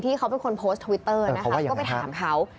ที่เขาเป็นคนโพสต์ทวิตเตอร์นะคะก็ไปถามเขา